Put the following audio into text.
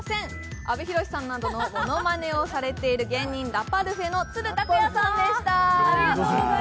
阿部寛さんなどのものまねをされているラパルフェの都留拓也さんでした。